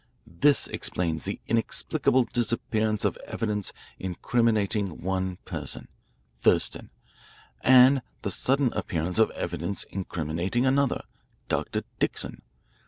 This explains the inexplicable disappearance of evidence incriminating one person, Thurston, and the sudden appearance of evidence incriminating another, Dr. Dixon.